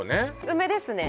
梅ですね